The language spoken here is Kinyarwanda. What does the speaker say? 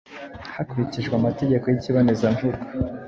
hakurikijwe amategeko y’ikibonezamvugo.